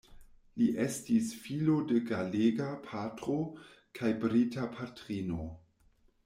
Li estis filo de galega patro kaj brita patrino.